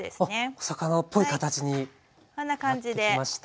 お魚っぽい形になってきました。